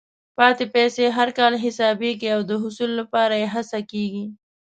پاتې پیسې هر کال حسابېږي او د حصول لپاره یې هڅه کېږي.